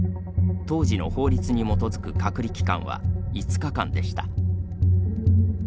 当時の法律に基づく隔離期間は５日間でした。